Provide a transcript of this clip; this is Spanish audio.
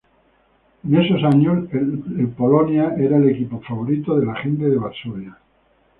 En esos años, el Polonia era el equipo favorito de la gente de Varsovia.